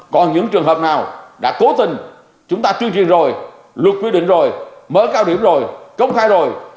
còn những trường hợp nào đã cố tình chúng ta tuyên truyền rồi luật quy định rồi mở cao điểm rồi công khai rồi